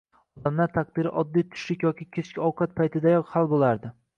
«Odamlar taqdiri oddiy tushlik yoki kechki ovqat paytidayoq hal bo’lardi.